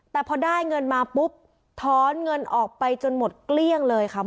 แต่พอได้เงินมาปุ๊บถอนเงินออกไปจนหมดเกลี้ยงเลยค่ะ